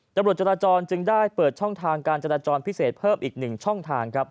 ตำรวจจราจรจึงได้เปิดช่องทางการจราจรพิเศษเพิ่มอีก๑ช่องทางครับ